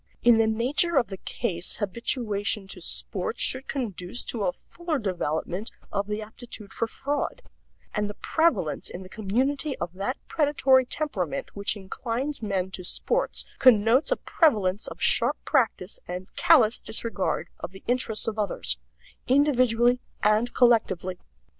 In the nature of the case habituation to sports should conduce to a fuller development of the aptitude for fraud; and the prevalence in the community of that predatory temperament which inclines men to sports connotes a prevalence of sharp practice and callous disregard of the interests of others, individually and collectively.